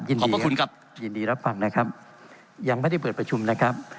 ขอบพระคุณครับยินดีรับฟังนะครับยังไม่ได้เปิดประชุมนะครับ